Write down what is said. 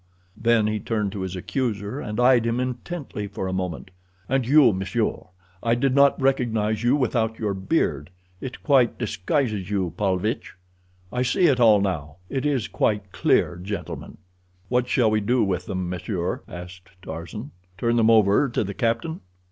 Then he turned to his accuser, and eyed him intently for a moment. "And you, monsieur, I did not recognize you without your beard. It quite disguises you, Paulvitch. I see it all now. It is quite clear, gentlemen." "What shall we do with them, monsieur?" asked Tarzan. "Turn them over to the captain?"